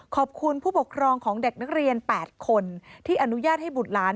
ขอบคุณผู้ปกครองของเด็กนักเรียน๘คนที่อนุญาตให้บุตรหลาน